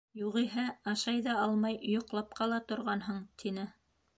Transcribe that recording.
Юғиһә ашай ҙа алмай йоҡлап ҡала торғанһың, — тине.